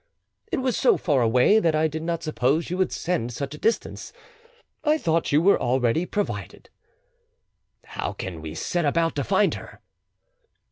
"It was so far away that I did not suppose you would send such a distance. I thought you were already provided." "How can we set about to find her?"